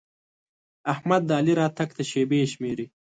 احمد د علي راتګ ته شېبې شمېري.